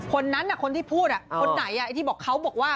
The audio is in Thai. คนนั้นอ่ะคนที่พูดอ่ะคนไหนอ่ะไอ้ที่บอกเขาบอกว่า